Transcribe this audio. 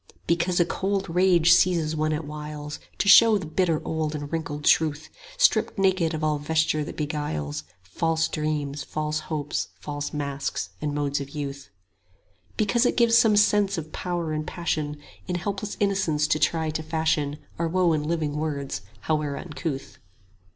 Because a cold rage seizes one at whiles To show the bitter old and wrinkled truth Stripped naked of all vesture that beguiles, 10 False dreams, false hopes, false masks and modes of youth; Because it gives some sense of power and passion In helpless innocence to try to fashion Our woe in living words howe'er uncouth.